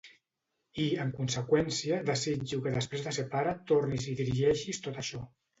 I, en conseqüència, desitjo que després de ser pare, tornis i dirigeixis tot això.